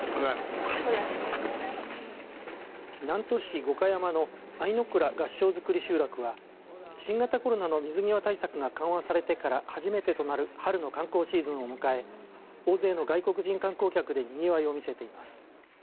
南砺市五箇山の相倉合掌造り集落は新型コロナの水際対策が緩和されてから初めてとなる春の観光シーズンを迎え大勢の外国人観光客でにぎわいを見せています。